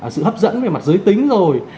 sự hấp dẫn về mặt giới tính rồi